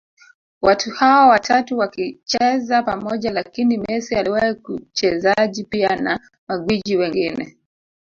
watu hawa watatu wakicheza pamoja Lakini Messi aliwahi kuchezaji pia na magwiji wengine